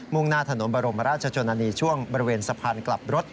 ่งหน้าถนนบรมราชชนนานีช่วงบริเวณสะพานกลับรถ